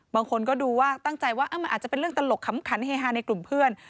บางคนก็ดูว่าตั้งใจว่ามันอาจจะเป็นเรื่องตลกขำขันเฮฮาในกลุ่มเพื่อน